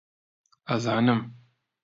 ئەزانم